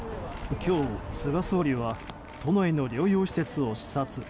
今日、菅総理は都内の療養施設を視察。